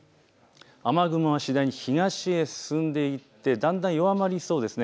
雨雲は次第に東へ進んでいってだんだん弱まりそうです。